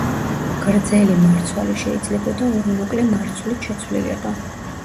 გრძელი მარცვალი შეიძლებოდა ორი მოკლე მარცვლით შეცვლილიყო.